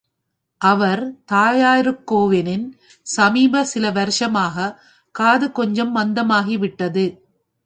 அவர் தாயாருக்கோவெனின், சமீப சில வருஷமாக காது கொஞ்சம் மந்தமாகிவிட்டது.